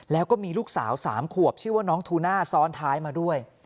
แล้วก็มีลูกสาว๓ขวบชื่อว่าน้องทูน่าซ้อนท้ายมาด้วย